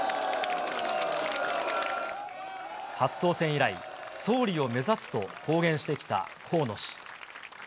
初当選以来、総理を目指すと公言してきた河野氏。